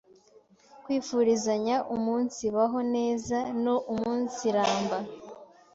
Kwifurizanya umunsibaho neza no umunsiramba